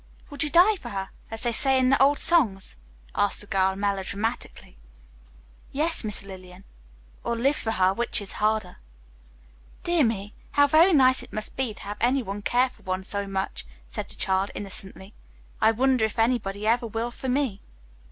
"Would you die for her, as they say in the old songs?" asked the girl, melodramatically. "Yes, Miss Lillian, or live for her, which is harder." "Dear me, how very nice it must be to have anyone care for one so much," said the child innocently. "I wonder if anybody ever will for me?"